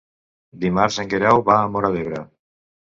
Dimarts en Guerau va a Móra d'Ebre.